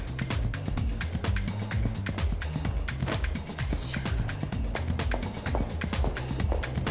よっしゃ。